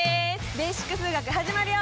「ベーシック数学」始まるよ！